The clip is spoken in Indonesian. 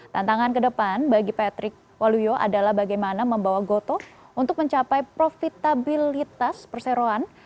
tantangan ke depan bagi patrick waluyo adalah bagaimana membawa gotoh untuk mencapai profitabilitas perseroan